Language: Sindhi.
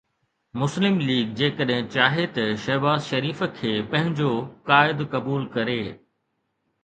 مسلم ليگ جيڪڏهن چاهي ته شهباز شريف کي پنهنجو قائد قبول ڪري.